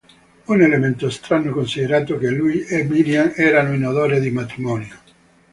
Un elemento strano, considerando che lui e Miriam erano in odore di matrimonio.